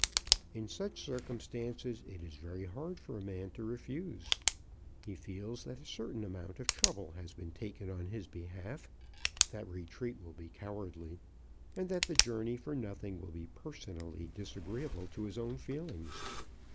In such circumstances it is very hard for a man to refuse. He feels that a certain amount of trouble has been taken on his behalf, that retreat will be cowardly, and that the journey for nothing will be personally disagreeable to his own feelings.